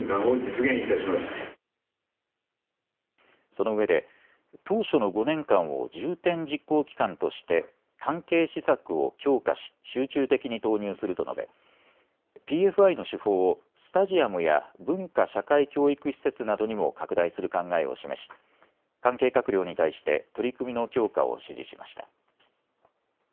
そのうえで当初の５年間を重点実行期間として関係施策を強化し集中的に投入すると述べＰＦＩの手法をスタジアムや文化・社会教育施設などにも拡大する考えを示し関係閣僚に対して取り組みの強化を指示しました。